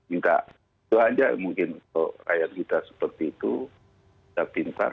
itu saja mungkin untuk rakyat kita seperti itu